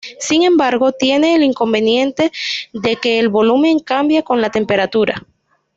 Sin embargo, tiene el inconveniente de que el volumen cambia con la temperatura.